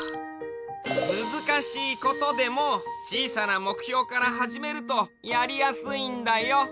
むずかしいことでもちいさなもくひょうからはじめるとやりやすいんだよ。